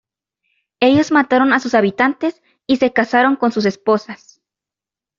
Ellos mataron a sus habitantes y se casaron con sus esposas.